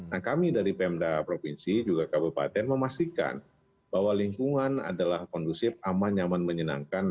nah kami dari pemda provinsi juga kabupaten memastikan bahwa lingkungan adalah kondusif aman nyaman menyenangkan